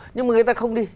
nhưng mà người ta không đi